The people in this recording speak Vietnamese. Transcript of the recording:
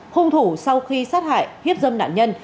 hung thủ sau khi sát hại hiếp dâm nạn nhân